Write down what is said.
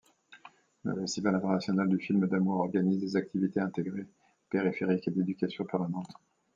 Le Festival International du Film d'Amour organise des activités intégrées, périphériques et d'éducation permanente.